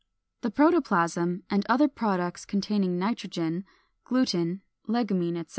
456. The protoplasm and other products containing nitrogen (gluten, legumine, etc.)